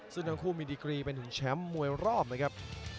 ซึ่งทั้งคู่มีดิกรีไปถึงแชมป์มวยรอบ